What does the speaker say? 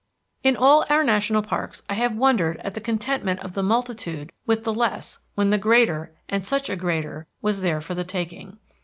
In all our national parks I have wondered at the contentment of the multitude with the less when the greater, and such a greater, was there for the taking.